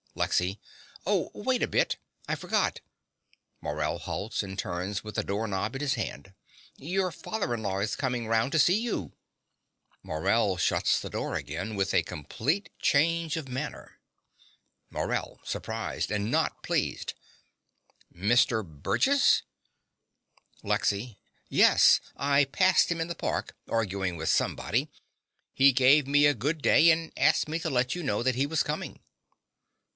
LEXY. Oh, wait a bit: I forgot. (Morell halts and turns with the door knob in his hand.) Your father in law is coming round to see you. (Morell shuts the door again, with a complete change of manner.) MORELL (surprised and not pleased). Mr. Burgess? LEXY. Yes. I passed him in the park, arguing with somebody. He gave me good day and asked me to let you know that he was coming.